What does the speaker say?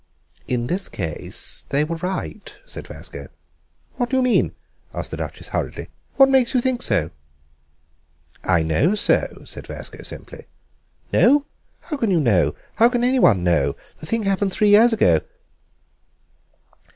"In this case they were right," said Vasco. "What do you mean?" asked the Duchess hurriedly. "What makes you think so?" "I know," said Vasco simply. "Know? How can you know? How can anyone know? The thing happened three years ago."